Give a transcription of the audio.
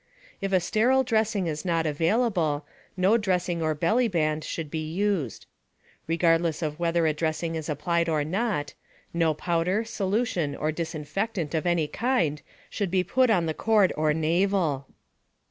If a sterile dressing is not available, no dressing or bellyband should be used. Regardless of whether a dressing is applied or not, no powder, solution, or disinfectant of any kind should be put on the cord or navel.